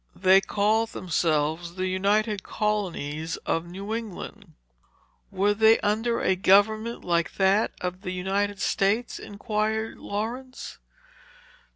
They called themselves the United Colonies of New England." "Were they under a government like that of the United States?" inquired Laurence.